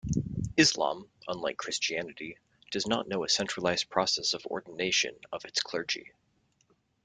Islam, unlike Christianity, does not know a centralised process of ordination of its clergy.